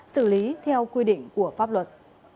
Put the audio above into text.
xử lý theo quy định của pháp luật